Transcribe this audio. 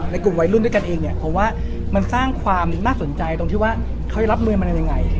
กลุ่มวัยรุ่นด้วยกันเองเนี่ยเพราะว่ามันสร้างความน่าสนใจตรงที่ว่าเขาจะรับมือมันยังไง